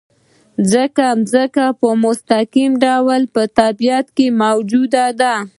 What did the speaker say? ځکه ځمکه په مستقیم ډول په طبیعت کې موجوده ده.